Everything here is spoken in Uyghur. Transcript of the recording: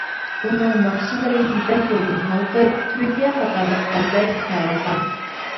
ئۇنىڭ ناخشىلىرى يىپەك يولىدىن ھالقىپ تۈركىيە قاتارلىق ئەللەرگىچە تارالغان.